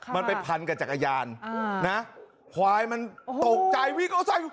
มันไปพันกับจักรยานนะควายมันตกใจวิ่งเอาไส้